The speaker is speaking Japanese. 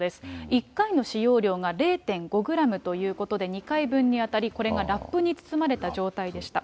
１回の使用量が０．５グラムということで、２回分に当たり、これがラップに包まれた状態でした。